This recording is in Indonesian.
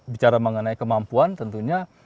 bicara mengenai kemampuan tentunya